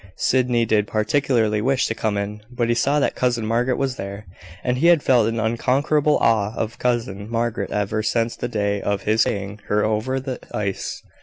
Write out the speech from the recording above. Sydney did particularly wish to come in; but he saw that cousin Margaret was there: and he had felt an unconquerable awe of cousin Margaret ever since the day of his conveying her over the ice.